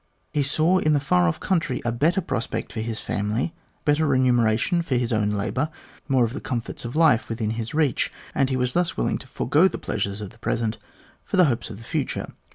He saw in the far off country a better prospect for his family, better remuneration for his own labour, more of the comforts of life within his reach, and he was thus willing to forego the pleasures of the present for the hopes of the future.